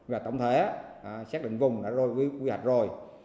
và tổng thể xác định vùng đã quy hoạch rồi